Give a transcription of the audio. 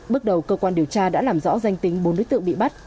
bước đầu cơ quan điều tra đã làm rõ danh tính bốn đối tượng bị bắt